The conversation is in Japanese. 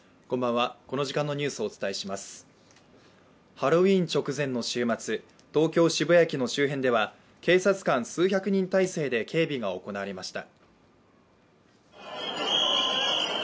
ハロウィーン直前の週末東京・渋谷駅の周辺では警察官数百人態勢で警備が行われました。